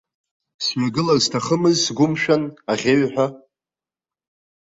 Сҩагылар сҭахымыз сгәымшәан, аӷьеҩҳәа.